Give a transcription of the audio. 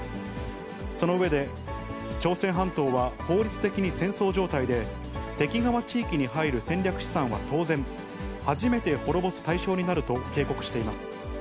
その上で、朝鮮半島は法律的に戦争状態で、敵側地域に入る戦略資産は当然、初めて滅ぼす対象になると警告しています。